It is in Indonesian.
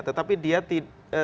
tetapi dia tidak